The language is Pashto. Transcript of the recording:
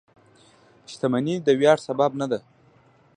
• شتمني د ویاړ سبب نه ده.